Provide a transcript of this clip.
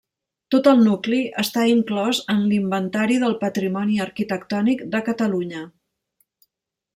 Tot el nucli està inclòs en l'Inventari del Patrimoni Arquitectònic de Catalunya.